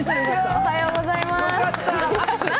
おはようございます。